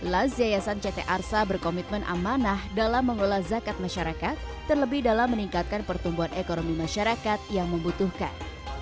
las yayasan ct arsa berkomitmen amanah dalam mengelola zakat masyarakat terlebih dalam meningkatkan pertumbuhan ekonomi masyarakat yang membutuhkan